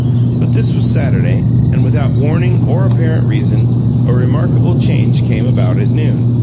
But this was Saturday, and, without warning or apparent reason, a remarkable change came about at noon.